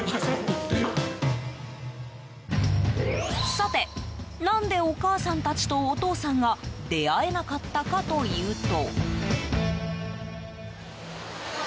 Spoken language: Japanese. さて、何でお母さんたちとお父さんが出会えなかったかというと。